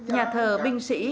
nhà thờ binh sĩ